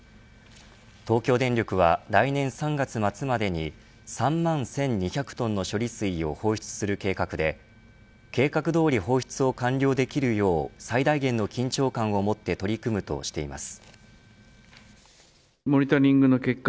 東京電力は、来年３月末までに３万１２００トンの処理水を放出する計画で計画どおり放出を完了できるよう最大限の緊張感を持って取り組むとしています。